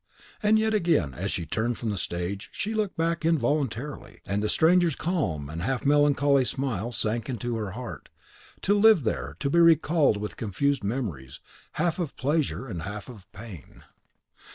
Yet again, as she turned from the stage, she looked back involuntarily, and the stranger's calm and half melancholy smile sank into her heart, to live there, to be recalled with confused memories, half of pleasure, and half of pain.